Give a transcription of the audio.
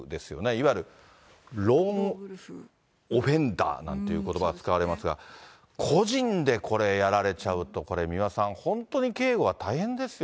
いわゆるローンオフェンダーみたいなことばが使われますが、個人でこれやれれちゃうと、これ、三輪さん、本当に警護は大変ですよ。